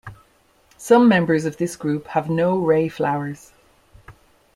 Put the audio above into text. Some members of this group have no ray flowers.